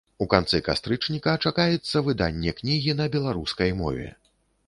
У канцы кастрычніка чакаецца выданне кнігі на беларускай мове.